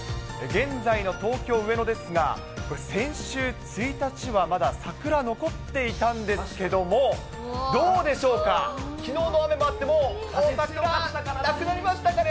現在の東京・上野ですが、これ、先週１日は、まだ桜残っていたんですけども、どうでしょうか、きのうの雨もあって、もうなくなりましたかね。